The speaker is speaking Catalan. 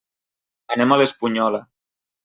Anem a l'Espunyola.